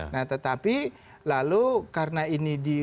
nah tetapi lalu karena ini di